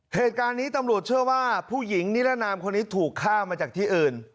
เหตุการณ์นี้ตำรวจเชื่อว่าผู้หญิงนิรนามคนนี้ถูกฆ่ามาจากที่อื่น